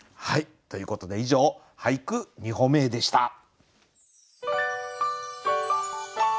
ということで以上「俳句、二歩目へ」でした。